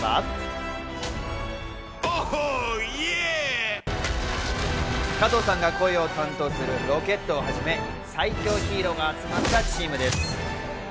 『アベンジ加藤さんが声を担当するロケットをはじめ、最強ヒーローが集まったチームです。